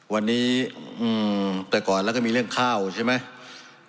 วันนี้แต่ก่อนแล้วก็มีเรื่องข้าวใช่ไหม